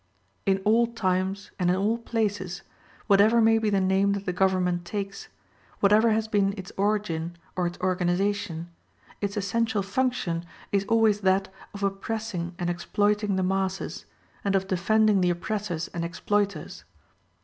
In all times and in all places, whatever may be the name that the government takes, whatever has been its origin, or its organization, its essential function is always that of oppressing and exploiting the masses, and of defending the oppressors and exploiters.